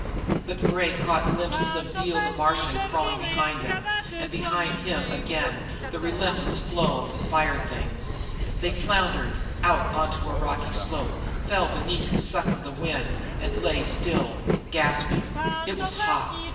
But Gray caught glimpses of Dio the Martian crawling behind them, and behind him again, the relentless flow of the fire things. They floundered out onto a rocky slope, fell away beneath the suck of the wind, and lay still, gasping. It was hot.